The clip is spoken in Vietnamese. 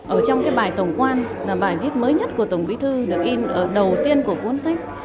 ở trong cái bài tổng quan là bài viết mới nhất của tổng bí thư được in ở đầu tiên của cuốn sách